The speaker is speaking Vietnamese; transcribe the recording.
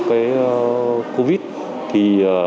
cái covid thì